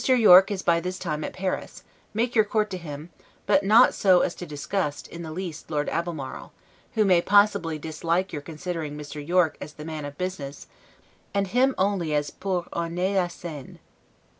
Yorke is by this time at Paris; make your court to him, but not so as to disgust, in the least, Lord Albemarle, who may possibly dislike your considering Mr. Yorke as the man of business, and him as only 'pour orner la scene'.